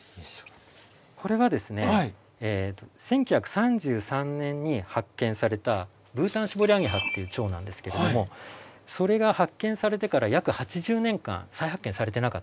これはですね１９３３年に発見されたブータンシボリアゲハっていうチョウなんですけどもそれが発見されてから約８０年間再発見されてなかったんです。